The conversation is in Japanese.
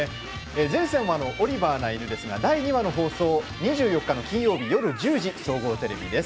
全３話の「オリバーな犬」ですが第２話の放送、２４日の金曜日夜１０時、総合テレビです。